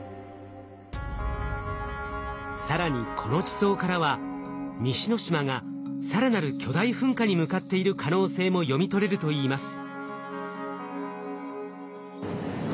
更にこの地層からは西之島が更なる巨大噴火に向かっている可能性も読み取れるといいます。